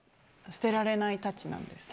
捨てられないたちなんです。